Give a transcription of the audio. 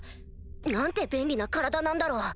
何て便利な体なんだろう。